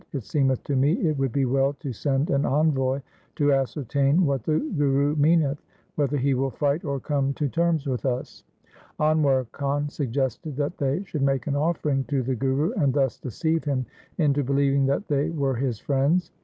It seemeth to me it would be well to send an envoy to ascertain what the Guru meaneth — whether he will fight or come to terms with us.' Anwar Khan suggested that they should make an offering to the Guru, and thus deceive him into believing that they were his friends.